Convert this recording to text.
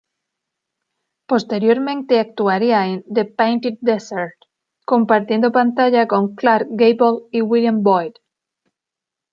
Posteriormente actuaría en "The Painted Desert", compartiendo pantalla con Clark Gable y William Boyd.